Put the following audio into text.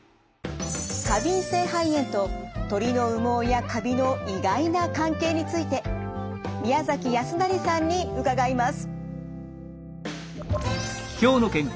過敏性肺炎と鳥の羽毛やカビの意外な関係について宮崎泰成さんに伺います。